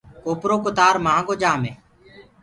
ڪوپرو ڪو تآر مآهنگو جآم هي۔